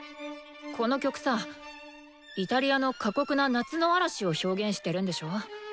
この曲さイタリアの過酷な「夏の嵐」を表現してるんでしょ？